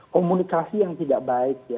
komunikasi yang tidak baik ya